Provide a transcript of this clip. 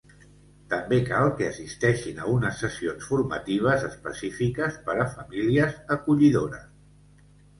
També cal que assisteixin a unes sessions formatives específiques per a famílies acollidores.